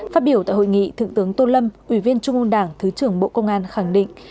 phát biểu tại hội nghị thượng tướng tô lâm ủy viên trung ương đảng thứ trưởng bộ công an khẳng định